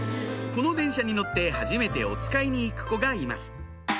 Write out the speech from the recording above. この電車に乗ってはじめておつかいに行く子がいます